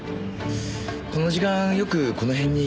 この時間よくこの辺に来ます？